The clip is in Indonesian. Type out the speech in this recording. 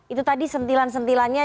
itu tadi sentilan sentilannya